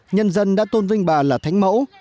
nhân dân đã tôn vinh bà là thánh mẫu